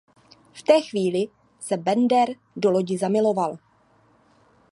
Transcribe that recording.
V té chvíli se Bender do lodi zamiloval.